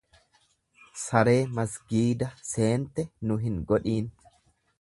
Saree masgiida seente nu hin godhiin.